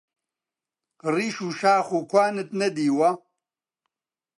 ڕیش و شاخ و گوانت نەدیوە؟!